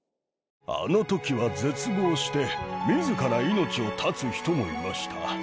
あのときは絶望して、みずから命を絶つ人もいました。